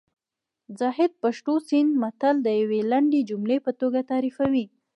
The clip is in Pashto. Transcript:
زاهد پښتو سیند متل د یوې لنډې جملې په توګه تعریفوي